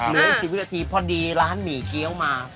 เหลืออีก๑๐วินาทีพอดีร้านหมี่เกี้ยวมา